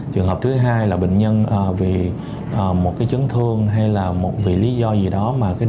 trường hợp thứ hai là bệnh nhân vì một chấn thương hay là một vì lý do gì đó mà